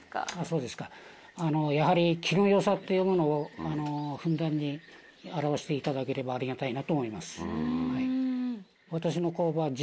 やはり木の良さっていうものをふんだんに表していただければありがたいなと思います。